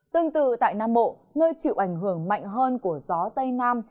tương tự tại nam bộ nơi chịu ảnh hưởng mạnh hơn của gió tây nam